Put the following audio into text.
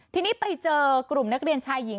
ทีนี้ไปเจอกลุ่มนักเรียนชายหญิง